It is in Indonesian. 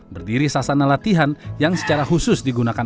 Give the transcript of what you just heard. berdiri sasana latihan yang secara khusus digunakan